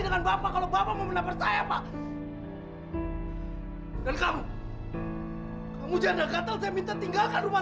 dengan bapak kalau bapak mau menampar saya pak dan kamu kamu jadah katal saya minta tinggalkan rumah